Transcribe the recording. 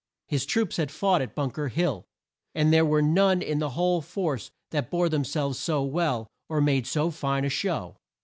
His troops had fought at Bunk er Hill, and there were none in the whole force that bore them selves so well, or made so fine a show.